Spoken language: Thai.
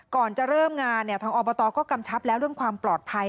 ก่อนจะเริ่มงานทางอบตก็กำชับแล้วเรื่องความปลอดภัย